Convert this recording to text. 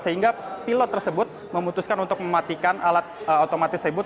sehingga pilot tersebut memutuskan untuk mematikan alat otomatis tersebut